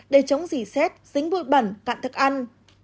để chống dỉ xét dính bụi bẩn cạn thức ăn